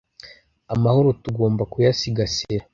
amahoro tugomba kuyasigasira